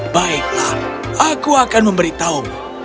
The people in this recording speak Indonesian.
baiklah aku akan memberitahumu